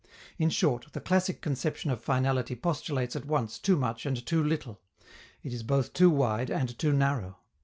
In short, the classic conception of finality postulates at once too much and too little: it is both too wide and too narrow.